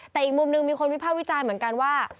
แต่อีกมุมหนึ่งมีคนวิภาควิจารณ์เหมือนกันว่า